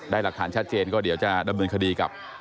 หลักฐานชัดเจนก็เดี๋ยวจะดำเนินคดีกับ